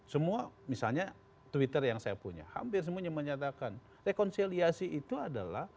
semua misalnya twitter yang saya punya hampir semuanya menyatakan rekonsiliasi itu adalah